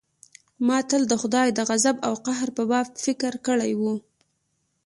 ما تل د خداى د غضب او قهر په باب فکر کړى و.